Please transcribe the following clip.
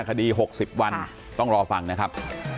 คดี๖๐วันต้องรอฟังนะครับ